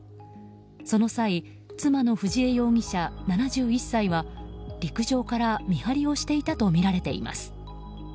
その際妻のふじ枝容疑者、７１歳は陸上から見張りをしていたとみられています。